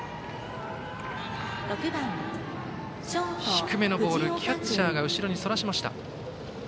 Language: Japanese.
低めのボール、キャッチャーが後ろにそらしました。